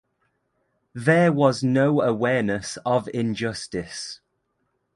There was no awareness of injustice.